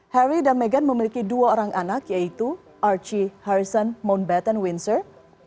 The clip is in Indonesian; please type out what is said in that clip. harry dan meghan memiliki dua orang anak yaitu archie harrison mounbatten windsor